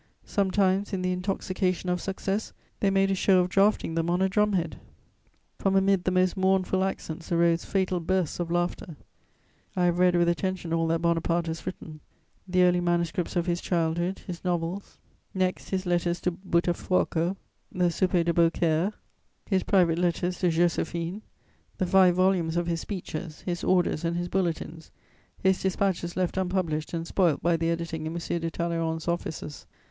Sometimes, in the intoxication of success, they made a show of drafting them on a drum head; from amid the most mournful accents arose fatal bursts of laughter. I have read with attention all that Bonaparte has written: the early manuscripts of his childhood, his novels; next, his letters to Buttafuoco, the Souper de Beaucaire, his private letters to Joséphine; the five volumes of his speeches, his orders and his bulletins, his dispatches left unpublished and spoilt by the editing in M. de Talleyrand's offices.